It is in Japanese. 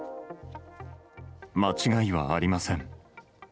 間違いはありません。